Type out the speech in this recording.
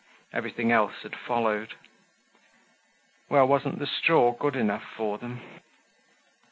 Everything else had followed. Well, wasn't the straw good enough for them?